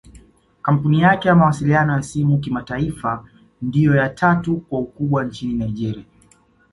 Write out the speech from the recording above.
Kampuni yake ya mawasiliano ya simu kimataifa ndio ya tatu kwa ukubwa nchini Nigeria